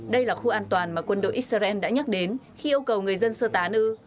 đây là khu an toàn mà quân đội israel đã nhắc đến khi yêu cầu người dân sơ tán ư